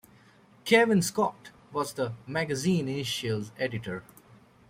Cavan Scott was the magazine's initial editor.